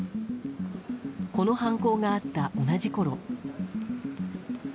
この犯行があった同じころ